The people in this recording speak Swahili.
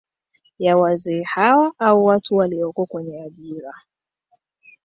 ya wazee hawa au watu waliko kwenye ajira